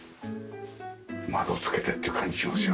窓つけてっていう感じしますよ。